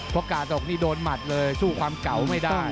เพราะกาดดอกนี่โดนหมัดเลยสู้ความเก่าไม่ได้